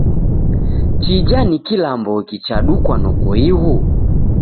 Chija ni kilamboki chadukwa noko ighu?